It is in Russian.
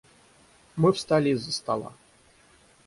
Мы встали из-за стола.